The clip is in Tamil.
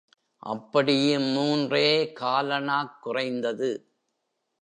அப்படியும் மூன்றே காலணாக் குறைந்தது.